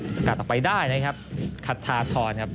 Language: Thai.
สกัดออกไปได้นะครับคัทธาทรครับ